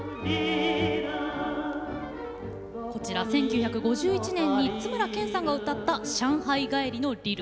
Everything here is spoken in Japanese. こちらは１９５１年に津村謙さんが歌った「上海帰りのリル」。